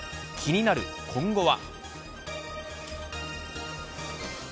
気になる今後は。